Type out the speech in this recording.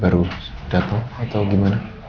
baru datang atau bagaimana